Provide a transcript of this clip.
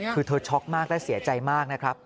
คือเธอช็อกมากและเสียใจมากนะครับ